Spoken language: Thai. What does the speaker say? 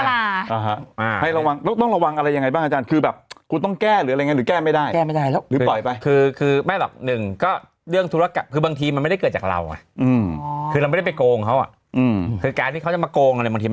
แล้วต้องระวังอะไรอย่างไรบ้างคุณต้องแก้อะไรไงหรือแก้ไม่ได้